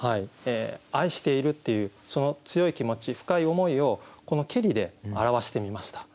愛しているっていうその強い気持ち深い思いをこの「けり」で表してみました。